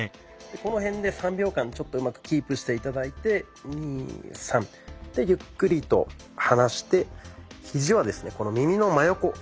この辺で３秒間ちょっとうまくキープして頂いて２３でゆっくりと離してひじはですねこの耳の真横。